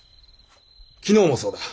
昨日もそうだ。